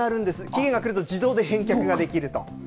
期限が来ると自動で返却ができると。